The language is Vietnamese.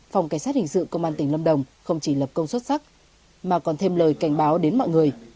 phòng cảnh sát hình sự công an tỉnh lâm đồng hà nội hà nội hà nội hà nội hà nội